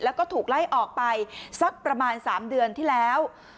แล้วก็ถูกไล่ออกไปสักประมาณ๓เดือนที่แล้ว